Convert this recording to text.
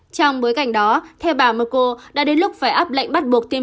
trong bối cảnh đó theo bà merko đã đến lúc phải áp lệnh bắt buộc tiêm